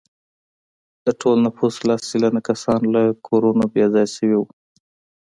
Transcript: د ټول نفوس لس سلنه کسان له کورونو بې ځایه شوي وو.